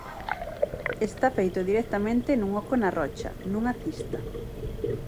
Está feito directamente nun oco na rocha, nunha cista.